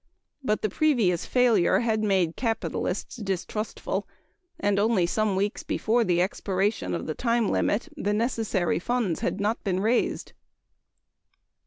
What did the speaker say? But the previous failure had made capitalists distrustful; and only some weeks before the expiration of the time limit the necessary funds had not been raised.